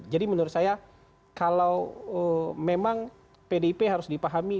jadi menurut saya kalau memang pdip harus dipahami